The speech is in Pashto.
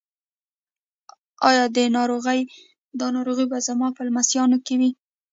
ایا دا ناروغي به زما په لمسیانو کې وي؟